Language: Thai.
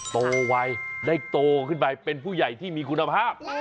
โตไวได้โตขึ้นไปเป็นผู้ใหญ่ที่มีคุณภาพ